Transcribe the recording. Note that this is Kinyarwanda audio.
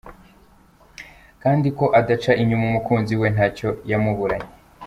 Kandi ko ataca inyuma umukunzi we nacyo yamuburanye.